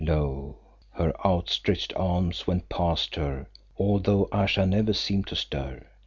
Lo! her outstretched arms went past her although Ayesha never seemed to stir.